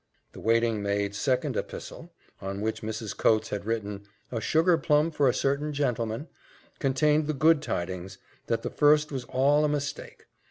The waiting maid's second epistle, on which Mrs. Coates had written, "a sugar plum for a certain gentleman," contained the good tidings "that the first was all a mistake.